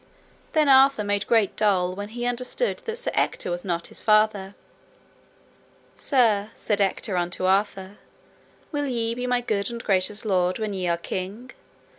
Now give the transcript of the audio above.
Then Arthur made great dole when he understood that Sir Ector was not his father. Sir, said Ector unto Arthur, will ye be my good and gracious lord when ye are king?